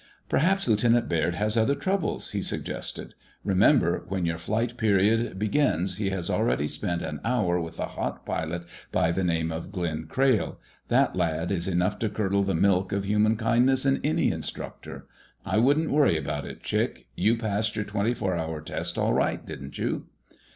"Perhaps Lieutenant Baird has other troubles," he suggested. "Remember, when your flight period begins he has already spent an hour with a hot pilot by the name of Glenn Crayle. That lad is enough to curdle the milk of human kindness in any instructor. I wouldn't worry about it, Chick. You passed your twenty hour test all right, didn't you?"